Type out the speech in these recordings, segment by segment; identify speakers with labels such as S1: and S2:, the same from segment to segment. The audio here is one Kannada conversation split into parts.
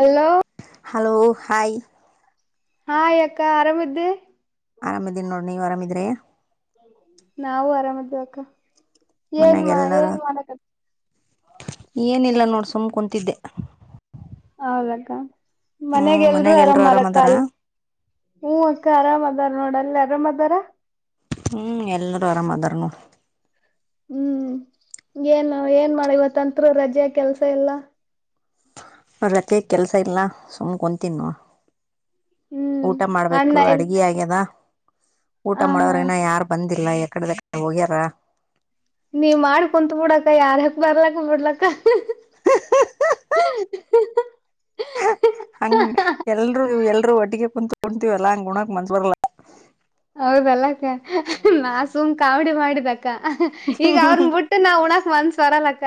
S1: ಹಲೋ.
S2: Hello hi. [unintelligible]
S1: ಹಾಯ್ ಅಕ್ಕಾ ಆರಾಮದ್ದಿ.
S2: ಆರಾಮಿದೀ ನೋಡ ನೀವು ಆರಾಮಿದ್ರಿ.
S1: [inaudible] ನಾವು ಆರಾಮ ಅದೀವಿ ಅಕ್ಕ. ಏನ್ ಮಾ
S2: ಮನೆಗೆಲ್ಲರೂ
S1: ಏನ್ ಮಾಡಕ
S2: ಏನಿಲ್ಲ ನೋಡ್ ಸುಮ್ ಕುಂತಿದ್ದ.
S1: ಹೌದಕ್ಕ ಮನ್ಯಾಗ ಎಲ್ರು ಆರಾಮ್ ಆರಕ್ಕ ಅಲ್. ಹ್ಮ್ ಅಕ್ಕ ಅರಾಮ ಅದಾರ ನೋಡ ಅಲ್ಲಿ ಅ ಆರಾಮ್ದಾರ.
S2: ಹ್ಮ್ ಎಲ್ಲರುೂ ಆರಾಮ್ದಾರ ನೊಡ.
S1: ಹ್ಮ್ ಏನ್ ಏನ್ ಮಾಡಗ ಇವತ ಅಂತ್ರ ರಜೆ ಕೆಲ್ಸ ಇಲ್ಲಾ.
S2: ಹ್ಮ ರಜೆ ಕೆಲಸ ಇಲ್ಲ ಸುಮ್ಮ್ನೆ ಕೊಂತೀನ್ ನೋಡ.
S1: ಹ್ಮ್
S2: ಊಟ
S1: ಅಣ್ಣ
S2: ಮಾಡ್ಬೇಕು
S1: ಎಲ್
S2: ಅಡ್ಗಿ ಆಗ್ಯದ ಊಟ
S1: ಹ ಹಾ
S2: ಮಾಡವ್ರ ನ ಯಾರ ಬಂದಿ. ಬಂದಿಲ್ಲ ಎಕಡೆದ [unintelligible] ಅಕಡೆ ಹೋಗ್ಯಾರ.
S1: ನೀ ಮಾಡ್ ಕುಂತ್ ಬಿಡಕ್ಕ ಯಾರಕ್ ಬರ್ಲಕ್ಕ ಬಿಡ್ಲಕ್ಕ.
S2: [inaudible] ಹಂಗ ಎಲ್ರು ಎಲ್ರುೂ ಒಟ್ಟಿಗೆ ಕುಂದ ತಗೋತೀವಲ್ಲ ಹಂಗ ಉಣಕ್ ಮನ್ಸ್ ಬರ್ಲ್ಲ.
S1: ಹೌದಲ್ಲಕ್ಕ ನಾ ಸುಮ್ ಕಾಮಡಿ ಮಾಡಿದಕ್ಕ. ಈಗ ಅವ್ರನ ಬಿಟ್ಟು ನಾವ್ ಉಣಾಕ್ ಮನುಸರಲಕ್ಕ.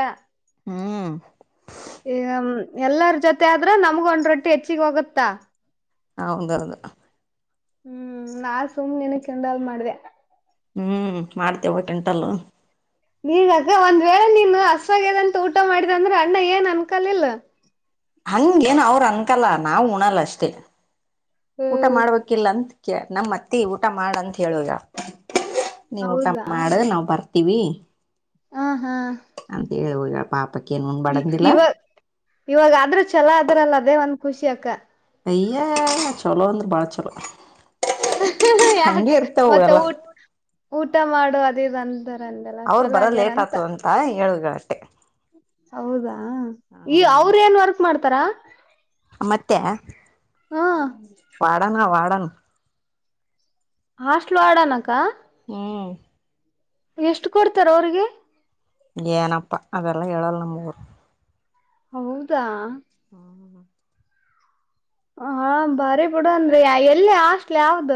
S2: ಹ್ಮ್.
S1: ಈಗ ಎಲ್ಲರ ಜೊತೆ ಆದ್ರೆ ನಮ್ಗ ಒಂದ ರೊಟ್ಟಿ ಹೆಚ್ಚಿಗೆ ಹೋಗುತ್ತಾ.
S2: ಹ ಹೌದೌದು.
S1: ಹ್ಮ್ ನಾನ್ ಸುಮ್ ನಿನಗೆ ಕಿಂಡಲ್ ಮಾಡಿದ್ಯ.
S2: ಹ್ಮ್ ಮಾಡ್ತೇವ್ವ ಟಿಂಟಲ್ಲ.
S1: ಈಗ ಅಕ್ಕಾ ಒಂದ್ ವೇಳೆ ನೀನ್ ಹಸುವು ಆಗ್ಯದ ಅಂತ ಊಟ ಮಾಡಿದ ಅಂದ್ರೆ ಅಣ್ಣ ಏನ್ ಅನ್ಕಲಿಲ್ಲ.
S2: ಹಂಗೇನು ಅವರು ಅನ್ಕಲ್ಲ ನಾವು ಉಣಲ್ಲ ಅಷ್ಟೇ ಊಟ
S1: ಹ್ಮ್
S2: ಮಾಡ್ಬೇಕಿಲ್ಲ ಅಂತ. ನಮ್ಮ್ ಅತ್ತಿ ಊಟ ಮಾಡಂತ ಹೇಳಿ ಹೋಗ್ಯಾಳ ನೀವು ಊಟ
S1: ಹೌದಾ
S2: ಮಾಡ ನಾವ್ ಬರ್ತವಿ. ಟಿವಿ. [unintelligible]
S1: ಹ್ಮ ಹಾ.
S2: ಅಂತ ಹೇಳಿ ಹೋಗ್ಯಾಳ. ಪಾಪ ಅಕಿ. [unintelligible]
S1: ಇವಾಗ ಇವಾಗಾದ್ರೂ ಛಲೋ ಆದ್ರಲ್ಲ ಅದೇ ಒಂದ್ ಖುಷಿ ಅಕ್ಕ.
S2: ಅಯ್ಯ ನಾ ಚಲೋ ಅಂದ್ರೆ ಭಾಳ ಚೊಲೋ.
S1: [unintelligible] ಯಾಕ ಮತ್ತೆ
S2: ಎಲ್ಲ
S1: ಊ ಊಟ ಮಾಡು ಅದ ಇದುಂತ. ಒಂದಲ್ಲ ಚಲೋ ಆಗ್ಯಾರ ಅಂತ.
S2: ಹಾ ಹೇಳಿ ಹೋಗ್ಯಾಳ ಅಷ್ಟೆ.
S1: ಹೌದಾ ಈ
S2: ಹ್ಮ್
S1: ಅವ್ರ ಏನ್ ವರ್ಕ್ ಮಾಡ್ತಾರಾ.
S2: ನಮ್ಮ ಅತ್ತಿಯ್ಯಾ.
S1: ಹ್ಮ.
S2: ವಾರ್ಡನ್ ಆಳ ವಾರ್ಡನ್.
S1: ಹಾಸ್ಟಲ್ ವಾರ್ಡನ್ ಅಕ್ಕಾ.
S2: ಹವ್
S1: ಎಷ್ಟು ಕೊಡ್ತಾರ ಅವ್ರಿಗೆ?
S2: ಏನಪ್ಪಾ ಅದೆಲ್ಲ ಹೇಳಲ್ ನಮ್ ಊರು
S1: ಹೌದಾ
S2: ಹ್ಮ್ ಹ್ಮ ಹ್ಮ [unintelligible]
S1: ಹಾ ಬರಿ ಬಿಡನ್ರಿ ಎಲ್ಲಿ ಹಾಸ್ಟಲ್ ಯಾವ್ದ?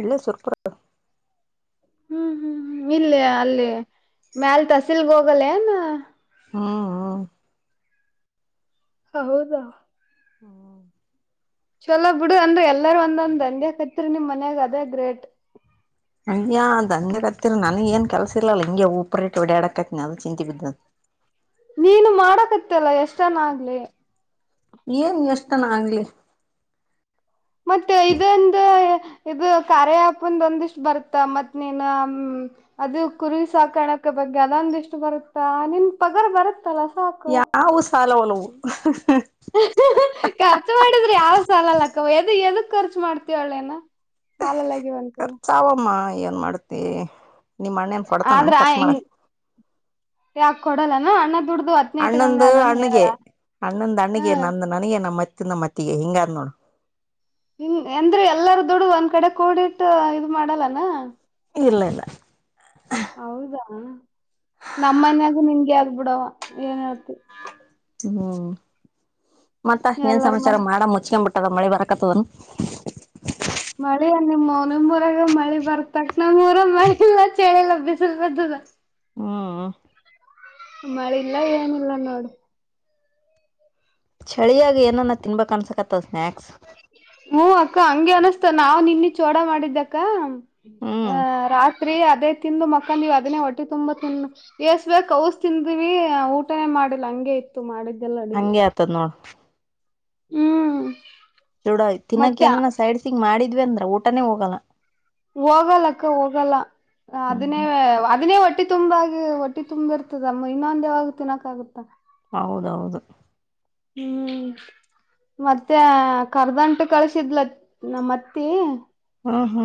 S2: ಇಲ್ಲ ಸುರಪುರ್ ಅತ್ರ
S1: ಹ್ಮ್ ಹ್ಮ್ ಇಲ್ಲಿ ಅಲ್ಲಿ ಮ್ಯಲ್ ತಸೀಲ್ಗ ಹೋಗಲ್ಲ ಏನ್?
S2: ಹ್ಮ್ ಹ್ಮ
S1: ಹೌದಾ.
S2: ಹ್ಮ [inaudible]
S1: ಚಲೋ ಬಿಡು ಅಂದ್ರೆ ಎಲ್ಲರೂ ಒಂದೊಂದ್ ಅಂದೇ ಕತ್ರಿ ನಿಮ್ ಮನ್ಯಾಗ ಅದೇ ಗ್ರೇಟ್
S2: ಅಯ್ಯ ಅಂಗ ಹತ್ತಿರಿ ನನಗ್ ಏನ್ ಕೆಲಸ ಇಲ್ಲ ಹಿಗೆ ಊಪರಿ ಇಟ್ಟು ಹೋಡಕತ್ತತಿನಿ ಅದು ಚಿಂತ ಬಿದ್ದ
S1: ನೀನು ಮಾಡಕತ್ತ ಅಲ್ಲ ಎಷ್ಟನ ಆಗ್ಲಿ
S2: ಏನ್ ಎಷ್ಟನ ಆಗ್ಲಿ.
S1: ಮತ್ತೆ ಇದೊಂದು ಇದು ಕಾರ್ಯ ಆಪ್ದು ಒಂದಿಷ್ಟ್ ಬರ್ತ್ತ ಮತ್ ನೀನ್ ಅದು ಕುರಿ ಸಾಕಾಣಿಕ ಬಗ್ಗೆ ಅದೊಂದ ಇಷ್ಟು ಬರುತ್ತಾ ನಿನ್ ಪಗರ್ ಬರತ್ತ ಸಾಕ್
S2: ಯಾವ ಸಾಲವನ್ನು.
S1: [inaudible] ಖರ್ಚು ಮಾಡಿದ್ರೆ ಯಾವ ಸಾಲಲ್ಲಕ್ಕವ ಎದಕ್ ಖರ್ಚು ಮಾಡ್ತೀವಳ್ಳೇನ ಭಾಲ [unintelligible] ಲಗ ಬ ಅಂತರ
S2: ಸಾವಮ್ಮ ಏನ್ ಮಾಡ್ತಿ. ನಿಮ್ ಅಣ್ಣೇನ್ ಕೊಡ್ತಾನನ್
S1: ಆದ್ರ
S2: ಖರ್ಚ
S1: ಹೆಂಗ
S2: ಮಾಡಕ್
S1: ಯಾಕ ಕೊಡಲ್ಲನಾ ಅಣ್ಣ ದುಡ್ದು ಇಟ್ಗಂಗ
S2: ಅಣ್ಣಂದು
S1: ನಾನ ಹೇಳ
S2: ಅಣ್ಣಗೆ ಅಣ್ಣಂದ ಅಣ್ಣಗೆ ನಂದು ನನಗೆ ನಮ್ಮ ಮತ್ತ ನಮ್ಮಅತ್ತದ್ ಮತ್ತಗೆ ಹಿಂಗ ಅಂದ್ ನೋಡು
S1: ಹ ಎಂದ್ರೆ ಎಲ್ಲಾರ ದುಡ್ಡ ಒಂದ್ ಕಡೆ ಕೂಡಿಟ್ಟ ಇ ಮಾಡಲ್ಲಾನು
S2: ಇಲ್ಲ ಇಲ್ಲ
S1: ಹೌದಾ ನಮ್ಮ ಮನ್ಯಾಗ ನಿನ್ಗೆ ಆಗ್ಬಿಡವ ಏನತಿ
S2: ಹ್ಮ್ ಮತ್ತ ಏನ್
S1: ಎಲ್ಲಾರ
S2: ಸಮಾಚಾರ
S1: ಮನ್
S2: ಮಾಡ ಮುಚ್ಕ ಬಿಟ್ಟದ ಮಳಿ ಬರಕತದನ್
S1: ಮಳಿ ಅ ನಿಮ್ ಮನ [unintelligible] ಮೂಊರಾಗ ಮಳಿ ಬರ್ತಕ್ ನಮ್ರ ಮಳಿ ಇಲ್ಲ ಚಳಿ ಲ ಬಿಸಲ್ ಬದ
S2: ಹ್ಮ
S1: ಮಳೆ ಇಲ್ಲ ಏನು ಇಲ್ಲ ನೋಡು
S2: ಚಳಿಯಾಗಿ ಏನಾನ ತಿನ್ಬೇಕ್ ಅನ್ಸಕತ್ತದ ಸ್ನ್ಯಾಕ್ಸ್
S1: ಹ್ಮ್ ಅಕ್ಕ ಹಂಗೆ ಅನಸ್ತ ನಾವ್ ನಿನ್ನ ಚೋಡ ಮಾಡಿದ್ದಕ್ಕ ಹ
S2: ಹ್ಮ್
S1: ರಾತ್ರಿ ಅದೇ ತಿಂದು ಮಕ್ಕಂದ ಅದನ್ನೇ ಹೊಟ್ಟಿ ತುಂಬಾ ತಿನ್ನ ಎಸ್ ಬ ಕೌಸ್ ತಿಂದಿವವಿ ಊಟನೇ ಮಾಡಿಲ್ಲ ಹಂಗೆ ಇತ್ತು ಮಾಡಿದ್ದೆಲ್ಲ ಅಡಗೆ
S2: ಪತ್ತನ್ನೋಳ [unintelligible]
S1: ಹ್ಮ್
S2: ತೊಡ ತಿನ್ನಾಕ
S1: ಮತ್ತೆ
S2: ಏನ ಸೈಡ್ಸಿಗ್ ಮಾಡಿದ್ವಿ ಅಂದ್ರ ಊಟಾನೇ ಹೋಗಲ್ಲ
S1: ಹೋಗಲ್ಲಕ್ಕ ಹೋಗಲ್ಲ ಅದನ್ನೇ
S2: ಹ್ಮ್
S1: ಅದನ್ನೇ ಒಟ್ಟಿ ತುಂಬಾಗಿ ಒಟ್ಟಿ ತುಂಬಿ ಇರ್ತದಮ್ಮ ಇನ್ನೊಂದ ಯಾವಾಗ ತಿನ್ನೋಕಾಗುತ್ತಾ
S2: ಹೌದೌದು
S1: ಹ್ಮ್ ಮತ್ತೆ ಕರ್ದಂಟು ಕಳಸಿದ್ಲ ನಮ್ಮತ್ತಿ
S2: ಹಾ ಹಾ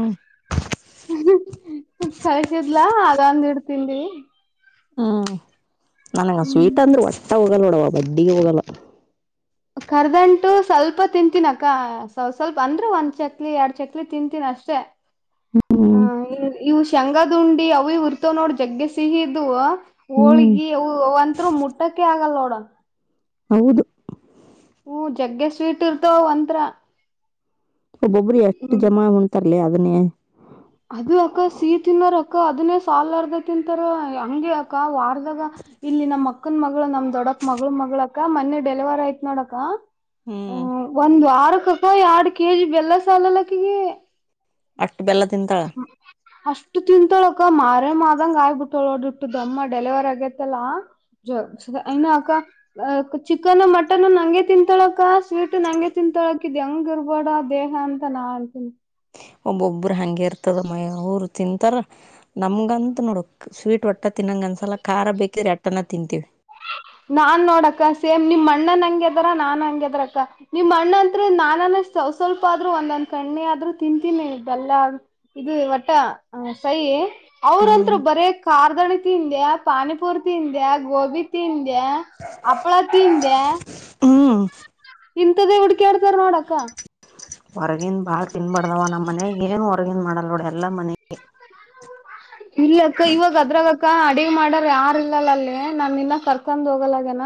S1: ಕಳ್ಸಿದ್ಲಾ ಅದಂದ್ ಈಟ್ ತಿಂದ್ವಿ.
S2: ಹ್ಮ್ ನನಗ ಸ್ವೀಟ್ ಅಂದ್ರ ಒಟ್ಟ ಹೋಗಲ್ಲ ನೋಡವ ಬಡ್ಡಿಗೆ ಹೋಗಲ್ಲ.
S1: ಕರದಂಟು ಸ್ವಲ್ಪ ತಿಂತೀನಕ್ಕ ಸ್ ಸ್ವಲ್ಪ ಅಂದ್ರೆ ಒಂದ್ ಚಕ್ಲಿ ಎರಡು ಚಕ್ಲಿ ತಿಂತೀನೀ ಅಷ್ಟ. ಅಷ್ಟೇ.
S2: ಹ್ಮ್
S1: ಹ ಇವು ಶೇಂಗದುಂಡಿ ಅವು ಇವು ಇರ್ತಾವ ನೋಡ್ರಿ ಜಗ್ಗೆ ಸಿಹಿ ಇದ್ದು
S2: ಹ್ಮ್
S1: ಹೋಳ್ಗಿ ಅವು ಅಂತ್ರು ಮುಟ್ಟಕ ಆಗಲ್ಲ ನೋಡ.
S2: ಹೌದು.
S1: ಹ್ಮ ಜಗ್ಗೆ ಸ್ವೀಟ್ ಇರ್ತವ ಅಂತ್ರ
S2: ಒಬ್ಬೊಬ್ಬರು ಎಷ್ಟು ಜಮಾ ಉಂತಾರಳೆ ಅದನ್ನೇ
S1: ಅದು ಅಕ್ಕ ಸಿಹಿ ತಿನ್ನೋರ ಅಕ್ಕ ಅದನ್ನೇ ಸಾಲಾರದ ತಿಂತಾರ ಅಂಗೆ ಅಕ್ಕ ವಾರದ ಇವಾಗ ಇಲ್ಲಿ ನಮ್ಮ್ ಅಕ್ಕನ್ ಮಗಳು ನಮ್ ದೊಡ್ಡಪ್ಪನ ಮಗಳ ಮಗಳಕ್ಕ ಮೊನ್ನೆ ಡೆಲಿವರ್ ಆಯ್ತ್ ನೋಡಕ್ಕ.
S2: ಹ್ಮ್.
S1: ಒಂದು ವಾರಕ್ಕ ಅಕ್ಕ ಎರಡು ಕೆಜಿ ಬೆಲ್ಲ ಸಾಲಲಕ್ಕಿಗೆ.
S2: ಅಷ್ಟು ಬೆಲ್ಲ ತಿಂತಾಳ?
S1: [unintelligible] ಅಷ್ಟು ತಿಂತಾಳಕ್ಕ ಮಾರಮ್ಮಮಾದಂಗ ಆಗ್ಬಿಟ್ಟಳ ಇಷ್ಟು ದಮ್ಮ ಡೆಲಿವರ್ ಆಗೇತಲ್ಲಾ. ಜೋಕ್ಸ್ ಸುಧ ಆನಾ ಅಕ್ಕ ಅ ಚಿಕನ್ ಮಟನ್ ನಂಗೆ ತಿಂತಾಳಕ್ಕ ಸ್ವೀಟ್ ನಂಗೆ ತಿಂತಾಳ ಇಕಿದ ಇದ್ ಹೆಂಗ್ ಇರ್ಬೋಡ ದೇಹ ಅಂತ ನಾ ಅಂತೀನಿ.
S2: ಒಬ್ಬೊಬ್ಬರು ಹಂಗೆ ಇರ್ತದ ಮಯಗಾ ಅವರು ತಿಂತಾರ ನಮಗಂತ ನೋಡು ಸ್ವೀಟ್ ಒಟ್ಟ ಒಟ್ಟ ತಿನ್ನಂಗ ಅನಸಲ್ಲ ಖಾರ ಬೇಕಿದ್ರೆ ಎಷ್ಟಣ ತಿಂತೀವಿ.
S1: ನಾನ್ ನೋಡಕ್ಕ ಸೇಮ್ ನಿಮ್ ಅಣ್ಣನ್ ಹಂಗ್ಯದಾರ ನಾನ್ ಹಂಗದ್ರಕ್ಕ. ನಿಮ್ ಅಣ್ಣ ಅಂತ್ರು ನಾನಾನ ಸ್ವಲ್ಪ ಸ್ವಲ್ಪ ಆದ್ರೂ ಒಂದಂದ್ ಕಣ್ಣಿ ಆದ್ರರು ತಿಂತೀನಿ ಬೆಲ್ಲ ಇದು ವಟ್ಟ ಸಹಿ ಅವರಂತ್ರೂ
S2: ಹ್ಮ್
S1: ಬರೇ ಖಾರುಗಳು ತಿಂದೆ ಪಾನಿಪುರಿ ತಿಂದೆ ಗೋಬಿ ತಿಂದೆ. ತಿಂದೆ ಅಪ್ಪಳಾ ತಿಂದ್ಯಾ
S2: ಹ್ಮ್
S1: ಇಂತದ್ದೇ ಹುಡ್ಕಾಡ್ತಾರ ನೋಡಕ್ಕ
S2: ಹೊರಗಿಂದ ಭಾಳ ತಿನ್ನಬಾರ್ದವ್ವ ನಮ್ಮ ಮನೆಯಾಗ ಏನ್ ಹೊರಗನ್ ಮಾಡಲ್ ನೋಡ ಎಲ್ಲ ಮನೆ
S1: ಇಲ್ಲಕ್ಕ ಇವಾಗ ಅದ್ರಾಗಕ್ಕ ಅಡಿ ಮಾಡಾರ ಯಾರ ಇಲ್ಲಲ್ಲ ಅಲ್ಲಿ ನಾ ನಿನ್ನ ಕರ್ ಕರಕೊಂಡ ಹೋಗಲಾಗನ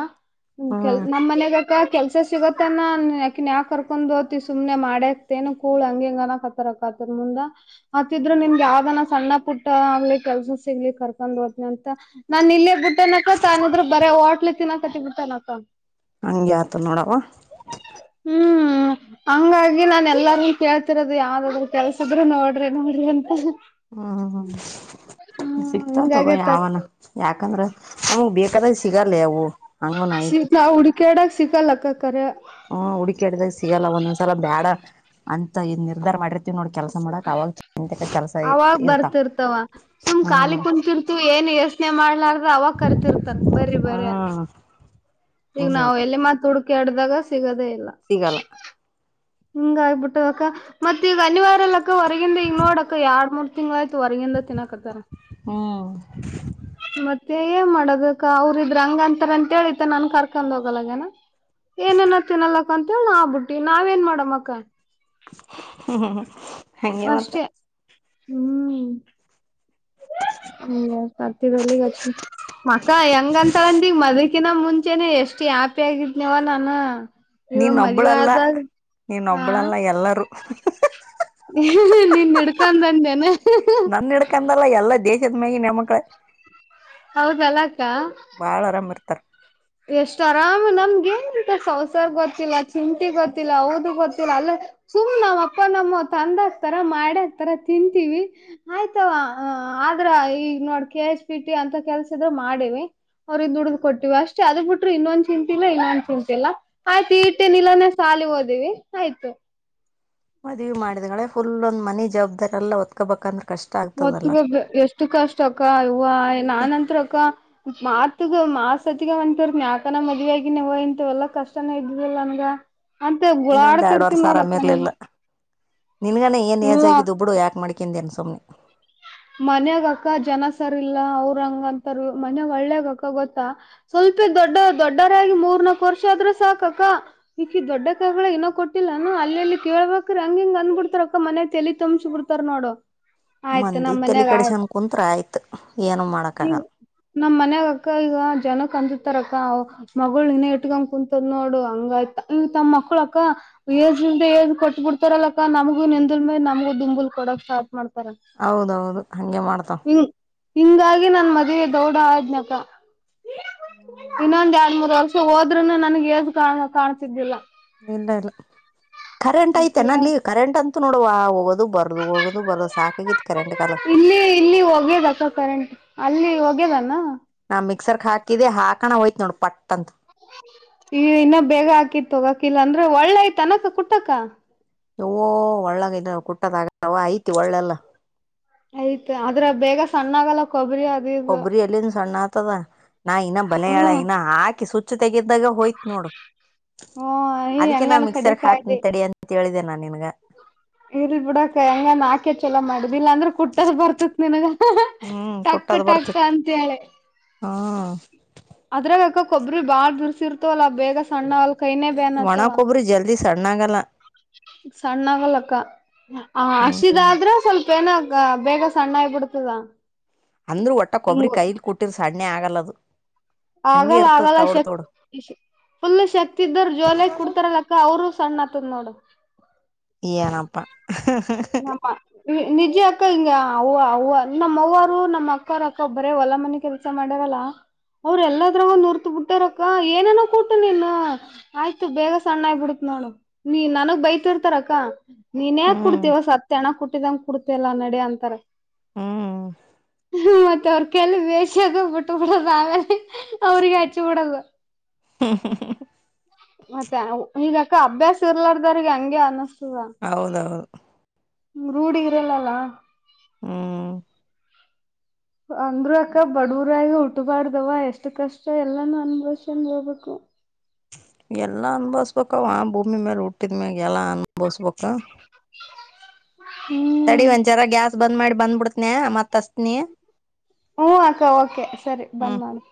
S1: ಕೆ
S2: ಹ್ಮ್
S1: ನಮ್ಮ್ ಮನ್ಯಾಗ ಕೆಲ್ಸ ಸಿಗತ್ತನ ಅಕಿನ ಯಾಕ ಕರ್ಕೊಂಡ್ ಹೋಗ್ತಿ ಸುಮ್ನೆ ಮಾಡ್ಯಕ್ತೇನ ಕೂಳ ಹಂಗ ಹಿಂಗ ಅನಕ್ ತರಕ ಆತನಾ ಮುಂದ ಆತ್ತಿದ್ರರು ನಿಮ್ ಯಾವ್ದನ ಸಣ್ಣ ಪುಟ್ಟ ಪುಟ್ಟ ಆಗ್ಲಿ ಕೆಲ್ಸ ಸಿಗ್ಲಿ ಕರ್ಕೊಂಡ್ ಹೋತಿನಿ ಅಂತ ನಾನ್ ಇಲ್ಲೇ ಬುಟ್ಟೆನಕ್ಕ ಅನದ್ರ ಬರ ಹೋಟ್ಲೆ ತಿನ್ನಾಕತ್ತ ಬುಟ್ಟನಕ್ಕ.
S2: ಹಂಗೆ ಆತದ ನೋಡವ್ವ.
S1: ಹ್ಮ್. ಹಂಗಾಗಿ ನಾನ್ ಎಲ್ಲಾರೂನು ಕೇಳ್ತಿರೋದು ಯಾವ್ದಾದ್ರು ಕೆಲ್ಸದ್ರರು ನೋಡ್ರಿ ನೋಡ್ರಿ ಅಂತ
S2: ಹ್ಮ
S1: ಹ್ಮ್
S2: ಸಿಗ್ತಾವ ತೊಗೊ
S1: ಹಿಂಗಾಗೇತ
S2: ಯಾವನ ಯಾಕಂದ್ರ ನಮಗ್ ಬೇಕಾದಾಗ ಸಿಗಲ್ಲೇ ಅವು ಹಂಗನ ಐತಿ
S1: ಸಿಕ್ತಾ ಹುಡ್ಕ್ಯಾಡಕ್ ಸಿಕ್ಕಲ್ಲಕ್ಕಕರೆ
S2: ಹ್ಮ ಹುಡುಕ್ಯಾಡಿದಾಗ ಸಿಗಲ್ಲ ಒಂದೊಂದ್ಸಲ ಬೇಡ ಅಂತ ಇ ನಿರ್ಧಾರ ಮಾಡಿರ್
S1: ಅವಾಗ
S2: ಇರ್ತಾವ
S1: ಬರ್ತಿತಾವ ಸುಮ್ ಖಾಲಿ
S2: ಹ್ಮ್
S1: ಕುಂತಿರ್ತಿವ ಏನ್ ಎಷ್ಟ ಪ್ರಶ್ನೆ ಮಾಡ್ಲಾರ್ದ ಅವಾಗ ಕರ್ತಿರ್ತಾರ ಬರ್ರಿ ಬರ್ರಿ ಅಂತ.
S2: ಹ್ಮ್
S1: ಈಗ
S2: ಹಂಗೆ
S1: ನಾವು ಎಲ್ಲಿ ಮತ್ ಹುಡುಕಿಕ್ಯಾಡಿದಾಗ ಸಿಗೋದೇ ಇಲ್ಲ.
S2: ಸಿಗಲ್ಲ.
S1: ಹಿಂಗ ಆಗ್ಬಿಟ್ಟವಕ್ಕ ಮತ್ತ ಈಗ ಅನಿವಾರ್ಯಲ್ಲಕ್ಕ ಹೊರಗಿಂದ ಈಗ ನೋಡಕ್ಕ ಎಾರ್ಡ್ ಮೂರ್ ತಿಂಗಳ ಅಯ್ತು ಹೊರಗೆಂದು ತಿ ನ್ನ ಕುಂತರೆ
S2: ಹ್ಮ್
S1: ಮತ್ತೆ ಏನ್ ಮಾಡೋದಕ್ಕ ಅವ್ರ ಇದ್ರ ಹಂಗ ಅಂತರ ಅಂತ ಹೇಳಿತ ನನ್ ಕರ್ಕೊಂಡ್ ಹೋಗಲ್ಲಗನ ಏನೇನ ತಿನ್ನಲಕ್ಕ ಅಂತೇಳ ಆಬುಟ್ಟಿ ನಾವ ನ್ ಮಾಡಮ್ಮಕ್ಕ
S2: ಹ್ಮ್ ಹ್ಮ್ ಹ್ಮ
S1: ಅಷ್ಟೆ ಹ್ಮ್ ಹ್ಮ ತತಿ ಬಲ್ಲಿಗ ಅಚ್ಚ ಮಕ್ಕ ಹೆಂಗಂತ ಅಂದಿಗ್ ಮದ್ಕಿನ ಮುಂಚೆನೆ ಎಷ್ಟು ಹ್ಯಾಪಿ ಆಗಿದ್ನವ ನಾನ
S2: ನೀನೊಬ್ಬಳಲ್ಲ ನೀನೊಬ್ಬಳಲ್ಲಾ ಎಲ್ಲರೂ
S1: ಹ ನೀನ್ ಹಿಡ್ಕೊಂಡಂದೇನೆ [unintelligible] ಹೂ
S2: ನನ್ ಹಿಡ್ಕಂದಲ್ಲ ಎಲ್ಲಾ ದೇಶದ ಮೇಲಿನ ಹೆಣ್ಣು ಮಕ್ಕಳೇ
S1: ಹೌದಲ್ಲ ಅಕ್ಕ
S2: ಬಾಳ ಆರಾಮ್ ಇರ್ತಾರ
S1: ಎಷ್ಟು ಆರಾಮ್ ನಮ್ಗ ಂತ ಸಂಸಾರ ಗೊತ್ತಿಲ್ಲ ಚಿಂತಿ ಗೊತ್ತಿಲ್ಲ ಹೌದು ಗೊತ್ತಿಲ್ಲ ಅಲ್ಲ ಸುಮ್ ನಾವ್ ಅಪ್ಪ ನಮ್ಮ ತಂದ ಹಕ್ತಾರ ಮಾಡಿ ಹಕ್ತಾರ ತಿಂತೀವಿ ಆಯ್ತವಾ ಆದ್ರ ಈಗ ನೋಡ್ ಕೆ ಎಸ್ ಪಿ ಟಿ ಅಂತ ಕೆಲ್ಸ ಇದ್ರ ಮಾಡಿವಿ ಅವ್ರ್ ದುಡಿದ್ ಕೊಟ್ಟೀವಿ ಅಷ್ಟೇ ಅದ್ ಬಿಟ್ರರು ಇನ್ನೊಂದು ಚಿಂತೆ ಇನ್ನೊಂದು ಚಿಂತೆ ಇಲ್ಲ ಆಯ್ತು ಇಟ್ಟೆ ನಿಲನ ಸಾಲಿ ಓದಿವವಿ ಆಯ್ತು
S2: ಮದುವೆ ಮಾಡಿದಗಳೆ ಫುಲ್ ಒಂದ್ ಮನಿ ಜವಾಬ್ದಾರಿ ಎಲ್ಲ ಒತ್ಕೋಬೇಕಂದ್ರೆ ಕಷ್ಟ ಆಗ್ತದಲ್ಲ
S1: ಮತ್ತಗ ಎಷ್ಟು ಕಷ್ಟ ಅಕ್ಕ ಹವ
S2: ಮತ್ತೆ
S1: ನಾನನ್ಂತತ್ರಕ್ಕ ಮಾತ್ಗ ಮಾ ಸತಿಗ ಅಂಟವ ನಯಾಕನ ಮದ್ುವ ಆಗ ನೀವ ಇಂತವೆಲ್ಲಾ ಕಷ್ಟನ ಇದ್ದುದಿಲ್ಲ ನನ್ಗ ಅಂತ
S2: ಇನ್ನೊಂದ
S1: ಗುಳಾಡ್ತಿರ್ತಿ
S2: ಎರಡುುವರ್ ಸಾವರ ಆಮಿ
S1: ನೋಡಕ್ಕ
S2: ಇರ್ಲಿಲ್ಲ
S1: ನಾನು
S2: ನಿನ್ಗನೇ ಏನ ಏಜ್
S1: ಹ್ಮ
S2: ಆಗಿದುಬಡು ಯಾಕ್ ಮಾಡ ಯಾಕ್ ಮಾಡಿಕೊಂಡಿದೆ ಸುಮ್ಮನೆ
S1: ಮನ್ಯಾಗಕ್ಕ ಜನ ಸರಿ ಇಲ್ಲ ಅವ್ರಂಗಂತಾರ ಮನ್ಯಾಗ ಒಳ್ಳೇಗಕ್ಕ ಗೊತ್ತಾ ಸ್ವಲ್ಪ ದೊಡ್ಡ ದೊಡ್ಡರಾಗಿ ಮೂರ್ನಾಾಕು ವರ್ಷ ಆದ್ರೂ ಸಾಕಕ್ಕ ಈಕಿ ದೊಡ್ಡ ಕಾಯಗಳ ಏನೋ ಕೊಟ್ಟಿಲ್ಲಾನನು ಅಲ್ಲಿ ಕೇಳ್ಬೇಕ್ರ ಹಂಗಿಂಗ ಅಂದ್ ಬಿಡ್ತಾರ ಅಕ್ಕ ಮನೆ ತಲಿ ತುಂಬಸ ಬಿಡ್ತ ನೋಡು ಆಯ್ತು
S2: ನಿ
S1: ನಮ್
S2: ತಲಿ
S1: ಮನ್ಯಾಗ
S2: ಕಡಸನ್
S1: ಆಯ್ತು
S2: ಕುಂತ್ರ ಆಯ್ತು ಏನು ಮಾಡಕ್ಕಾಗ
S1: ನಮ್ಮ್ ಮನ್ಯಾಗ ಅಕ್ಕ ಈಗ ಜನಕ ಅಂಜು ತಾರ ಮಗಳ ನನ ಇಟ್ಕಂಗ ಕುಂತದ್ ನೋಡು ಹಂಗಾಯ್ತ ಇ ತಮ್ಮ ಮಕ್ಳ ಅಕ್ಕ ಏಿಂದ ಏ್ ಕೊಟ್ಬ ಬಿಡ್ತಾರಲ್ಲಕ್ಕ ನಮಗೂ ನೆಂದಲ್ ಮೇಲೆ ನಮಗ ದುಂಬುಲ್ ಕೊಡಕ್ ಸಾ್ಟ್ ಮಾಡ್ತಾರ
S2: ಹೌದೌದು ಹಾಗಗೆ ಮಾಡ್ತವೆ
S1: ಹ ಹಿಂಗಾಗಿ ನನ್ ಮದುವೆ ದೌಡ್ಡ ಆಜ್ಞಕ ಇನ್ನೊಂದ ಎರಡ್ ಮೂರ್ ವರ್ಷ ಹೋದ್ೂನು ನನ್ಗ್ ಏಜು ಕ ಕಾಣ್ತಿದ್ದಿಲ್ಲ
S2: ಇಲ್ಲ ಇಲ್ಲ ಕರೆಂಟ್ ಐತೆೇನಲ್ಲಿ ಕರೆಂಟ್ ಅಂತೂ ನೋಡುವ ಹೋಗೋದು ಬರದು ಹೋಗೋದು ಬರದು ಸಾಕಾಗಿತ್ತು ಕರೆಂಟ್ ಕಾಲ
S1: ಇಲ್ಲಿ ಇಲ್ಲಿ ಹೋಗ್ಯದಕ್ಕ ಕರೆಂಟ್ ಅಲ್ಲಿ ಹೋಗ್ಯದಾನ
S2: ನಾ ಮಿಕ್ಸರ್ಕ್ ಹಾಕಿದ್ದೆ ಹಾಕಣ ಓಯುತು ನೋಡ್ ಪಟ್ಟಂತ
S1: ಈಗ ಇನ್ನ ಬೇಗ ಹಾಕಿತ್ ತಗಕಿಲ್ಲ ಇಲ ಅಂದ್ರೆ ಒಳ್ಳೆಯ್ತ ಅನಕ ಕುಟ್ಟಕ್ಕ
S2: ಯೌವ್ವ ಒಳ್ಳಾಗೈನ ಕುಟ್ಟದ ಆಗವಾ ಐತಿ ಒಳ್ಳೆಲ್ಲ
S1: ಆಯ್ತ್ ಆದದ್ರ ಬೇಗ ಸಣ್ಣಾಗಲ್ಲ ಕೊಬ್ಬರಿ ಅದು ಇದು
S2: ಕೊಬ್ಬರಿ ಎಲ್ಲಿನ್ ಸಣ್ಣ ಆತದ ನಾ ಇನ್ನ ಬಲಳ
S1: ಹ್ಮ
S2: ಇನ್ನ ಹಾಕಿ ಸುಚ್ಚ ತೆಗಿದಾಗ ಹೋಯ್ತ ನೋಡು
S1: ಹ್ಮ ಈ
S2: ಅದಕ್ಕೆ ನಾವು
S1: ಹೆಂಗನ್
S2: ಮಿಕ್ಸರ್
S1: ಕಡಿಕ
S2: ಹಾಕ
S1: ಇದಿ
S2: ತ ಅ ಹೇಳಿದ್ದೇನೆ ನಾನ್ ನಿನ್ಗ
S1: ಇರ ಬಿಡಕ್ ಹೆಂಗ ಹಾಕೆ ಚಲೋ ಮಾಡಿದ್ ಇಲ್ಲಾಂದ್ರೆ ಕುಟ್ಟದ್ ಬರ್ತತ್ ನಿನಗ
S2: ಹ್ಮ್
S1: ಟಕ್ ಟಕ್ ಅಂತೇಳಿ
S2: ಹಾ
S1: ಅದ್ರಾಗಕ್ಕ ಕೊಬ್ಬ್ರಿ ಬಾಳ್ ಬಿದುರ್ಸಿರ್ತವ ಅಲ್ಲ ಬೇಗ ಸಣ್ಣ ಅಲ್ ಕೈನೇ ಬ್ಯಾನ್
S2: ಒಣಕ್ಕೊಬ್ರಿ ಜಲ್ದಿ ಸಣ್ಣ ಆಗಲ್ಲ
S1: ಸಣ್ಣ ಆಗಲಕ್ಕ ಹಸಿದ
S2: ಹ್ಮ್
S1: ಆದ್ರೆ ಸ್ವಲ್ಪ ಏನಾಗ ಲ್ಲ ಬೇಗ ಸಣ್ಣ ಆಗಬಿಡ್ತದಾ
S2: ಅಂದ್ರೂ ಒಟ್ಟ ಕೊಬ್ಬರಿ ಕೈಲಿ ಕೊಟ್ಟಿದ್ರ ಸಣ್ಣ ಆಗಲ್ಲದು ಹಂಗೆ
S1: ಆಗಲ್ಲ
S2: ಇರ್ತದ
S1: ಆಗಲ್ಲ
S2: ತೌಡ್
S1: ಶಕ್
S2: ತೌಡ್
S1: ಫುಲ್ ಶಕ್ತಿ ಇದ್ರ ಜೋಲ ಕುಡ್ತಾರಲ್ಲಕ್ಕ ಅವರು ಸಣ್ಣ ಆತದ್ ನೋಡು
S2: ಏನಪ್ಪಾ
S1: ಹ ನಿಜ ಅಕ್ಕ ಹಿಂಗ ಹ ಹವ ನಮ್ಮ್ವರು ನಮ್ಮ ಅಕ್ಕರ ಅಕ್ಕ ಒಬ್ಬರೇ ಹೊಲ ಮನೆ ಕೆಲಸ ಮಾಡ್ಯರಲ್ಲ ಅವ್ರ ಎಲ್ಲದರ ನುರ್ತ ಬಿಟ್ಟಾರಕ್ಕ ಏನೇನೋ ಕೂಟು ನಿನ್ ಆಯ್ತು ಬೇಗ ಸಣ್ಣ ಆಗಬಿಡತ್ ನೋಡು ನೀ ನನಗ್ ಬೈತಿರ್ತಾರಕ್ಕ ನೀನಏನ್
S2: ಹ್ಮ್
S1: ಕುಡ್ತೀವ ಸತ್ ಎಣ ಕುಟ್ಟಿದಂಗ ಕುಡ್ತಲ್ಲಾ ನಡಿ ಅಂತಾರ
S2: ಹ್ಮ್
S1: ಹಾತ್ತ ಅವ ಅಲ್ಲಿ ಬೇಷದು ಬಿಟ್ಟು ಬಿಡದು ಆಮೇ ಅವ್ರಿಗೆ ಹಚ್ಚಿ ಬಿಡದು
S2: ಹಾ ಹ ಹ
S1: ಮತ್ತೆ ಈಗಕ್ಕ ಅಭ್ಯಾಸ ಇರ್ಲಾರ್ದ್ರಿಗೆ ಹಂಗೆ ಅನಸ್ತದ
S2: ಹೌದೌದು
S1: ರೂಢಿ ಇರಲ್ಲಲ್ಲಾ
S2: ಹ್ಮ
S1: ಅಂದ್ರ ಅಕ್ಕ ಬಡವರಾಗ ಹುಟ್ಟಬಾರ್ದವ ಎಷ್ಟು ಕಷ್ಟ ಎಲ್ಲಾನೂ ಅನುಭವಿಸಿಕೊಂಡು ಹೋಗ್ಬೇಕು
S2: ಎಲ್ಲಾ ಅನುಭವಿಸಬೇಕು ಆ ಭೂಮಿ ಮೇಲೆ ಹುಟ್ಟಿದ್ಮ್ಯಾಗ ಎಲ್ಲಾ ಅನ್ಭವಸ್ಬೇಕ
S1: [inaudible]
S2: ತಡಿ
S1: ಹ್ಮ್
S2: ಒಂದ ಜರ ಗ್ಯಾಸ್ ಬಂದ್ ಮಾಡಿ ಬಂದ್ಬಿಡ್ತ್ನ ಮತ್ಸ್ತನಿ.
S1: ಹ್ಮ್ ಅಕ್ಕ ಓಕೆ ಸರಿ ಬಂದ್ ಮಾಡಿ